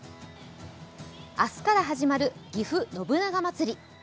明日から始まるぎふ信長まつり。